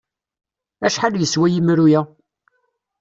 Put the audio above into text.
Acḥal yeswa yemru-a?